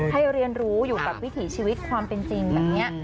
ให้เรียนรู้อยู่กับวิถีชีวิตความเป็นจริงแบบนี้